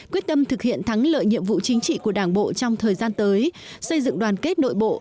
quyết tâm thực hiện thắng lợi nhiệm vụ chính trị của đảng bộ trong thời gian tới xây dựng đoàn kết nội bộ